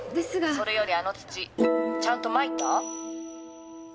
それよりあの土ちゃんとまいた？